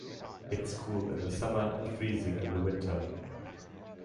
It is cool in the summer and freezing in the winter.